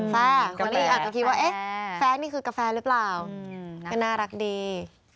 แฟร์คนอื่นอาจจะคิดว่าแฟร์นี่คือกาแฟร์หรือเปล่าน่ารักดี